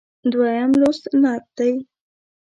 دویم لوست نعت دی.